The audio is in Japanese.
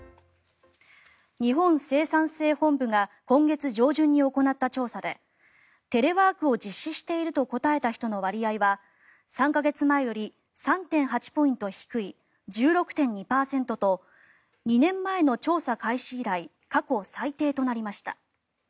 日本生産性本部が今月上旬に行った調査でテレワークを実施していると答えた人の割合は３か月前より３．８ポイント低い１６．２％と２年前の調査開始以来過去最低となりました。